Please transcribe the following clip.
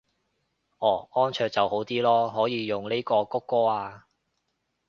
哦安卓就好啲囉，可以用呢個穀歌啊